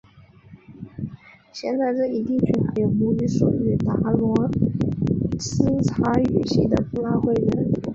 现在这一地区还有母语属于达罗毗荼语系的布拉灰人。